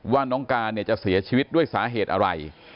ว่าน้องการเนี่ยจะเสียชีวิตด้วยสาเหตุอะไร